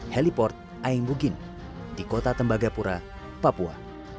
heliport aing bugin di kota tembagapura papua